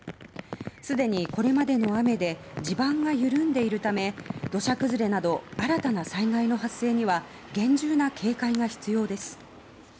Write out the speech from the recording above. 既にこれまでの雨で地盤が緩んでいるため土砂崩れなど新たな災害の発生には厳重な警戒が必要です。